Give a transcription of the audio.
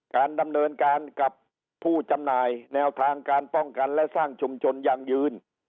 การดำเนินการกับผู้จำหน่ายแนวทางการป้องกันและสร้างชุมชนยางยืน